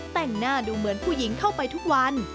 แต่งหน้าดูเหมือนผู้หญิงเข้าไปทุกวัน